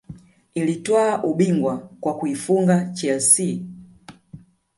Iliutwaa ubingwa kwa kuifunga chelsea